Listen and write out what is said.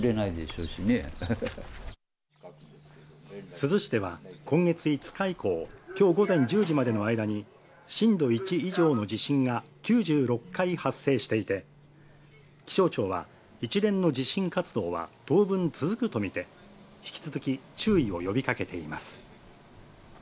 珠洲市では今月５日以降、今日午前１０時までの間に震度１以上の地震が９６回発生していて、気象庁は一連の地震活動は当分続くとみて、引き続き注意を呼びかけています。